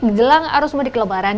gelang arus mudik lebaran